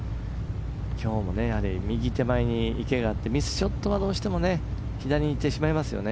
今日も右手前に池があってミスショットはどうしても左に行ってしまいますよね。